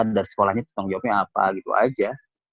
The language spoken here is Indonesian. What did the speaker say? dari sekolahnya ada tanggung jawabnya apa gitu aja